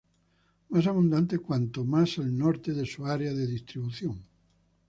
Más abundante cuanto más al norte de su área de distribución.